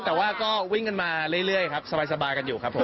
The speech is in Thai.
แต่ว่าก็วิ่งกันมาเรื่อยครับสบายกันอยู่ครับผม